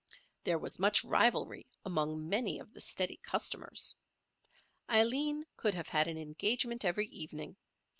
There was much rivalry among many of the steady customers. Aileen could have had an engagement every evening.